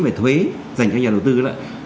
và thuế dành cho nhà đầu tư đó